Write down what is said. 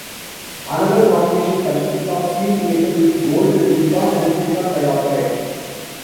Another combination consists of steel plated with gold, silicon, and silicon dioxide.